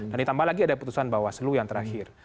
dan ditambah lagi ada putusan bawaslu yang terakhir